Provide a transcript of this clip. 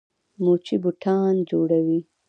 موچي بوټان جوړوي.